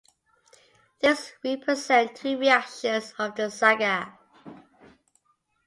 These represent two reactions of the saga.